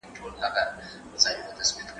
سپينکۍ مينځه؟